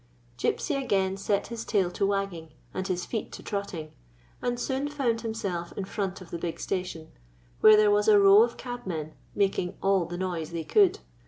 Gypsy again set his tail to wagging and his feet to trotting, and soon found himself in front of the big station, where there was a row of cab men making all the noise they could.